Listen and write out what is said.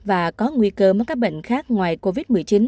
và có nguy cơ mắc các bệnh khác ngoài covid một mươi chín